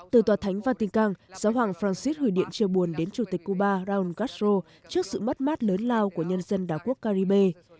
từ tòa thánh vatingan giáo hoàng francis gửi điện chia buồn đến chủ tịch cuba raúl castro trước sự mất mát lớn lao của nhân dân đảo quốc caribe